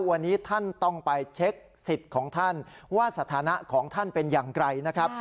วันนี้ท่านต้องไปเช็คสิทธิ์ของท่านว่าสถานะของท่านเป็นอย่างไรนะครับ